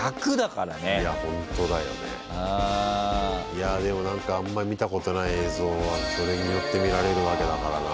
いやでも何かあんまり見たことない映像がそれによって見られるわけだからな。